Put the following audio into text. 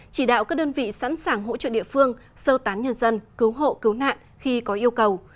chỉ đạo các đơn vị sẵn sàng hỗ trợ địa phương sơ tán nhân dân cứu hộ cứu nạn khi có yêu cầu